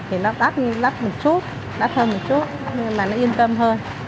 thì nó đắt đắt một chút đắt hơn một chút nhưng mà nó yên tâm hơn